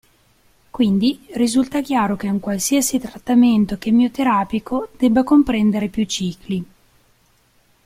Quindi, risulta chiaro che un qualsiasi trattamento chemioterapico debba comprendere più cicli.